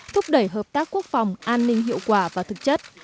thúc đẩy hợp tác quốc phòng an ninh hiệu quả và thực chất